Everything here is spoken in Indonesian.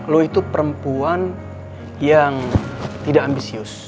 lo itu perempuan yang tidak ambisius